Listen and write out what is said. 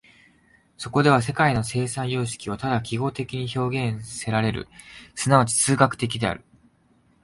そこでは世界の生産様式はただ記号的に表現せられる、即ち数学的である。